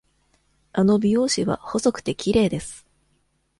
あの美容師は細くて、きれいです。